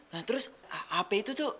nah terus ap itu tuh